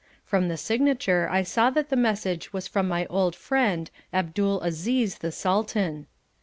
From the signature I saw that the message was from my old friend Abdul Aziz the Sultan.